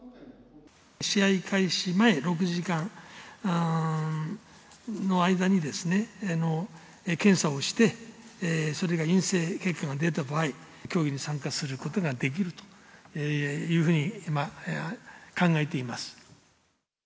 試合開始前６時間の間に検査をして、それが陰性結果が出た場合、競技に参加することができるというふうに考えています。